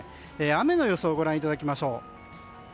雨の予想、ご覧いただきましょう。